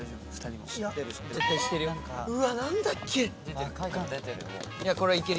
うわ何だっけ？